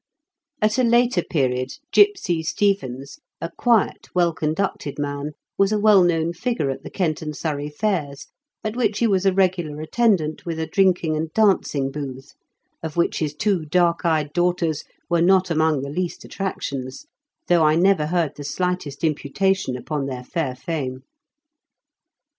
At a later period, Gipsy Stevens, a quiet well conducted man, was a well known figure at the Kent and Surrey fairs, at which he was a regular attendant with a drinking and dancing booth, of which his two dark eyed daughters were not among the least attrac tions, though I never heard the slightest imputation upon their fair fame.